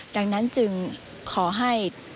ดังนั้นจึงขอให้